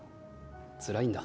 つらいんだ？